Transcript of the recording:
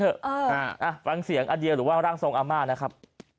อ่าฟังเสียงอเดียหรือว่าร่างทรงอาม่านะครับ